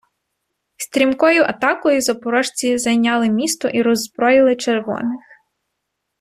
Стрімкою атакою запорожці зайняли місто і роззброїли червоних.